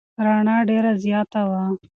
رڼا ډېره زیاته وه.